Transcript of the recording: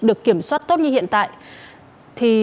được kiểm soát tốt như hiện tại